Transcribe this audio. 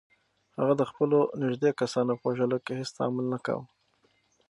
هغه د خپلو نږدې کسانو په وژلو کې هیڅ تامل نه کاوه.